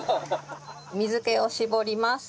水気を絞ります。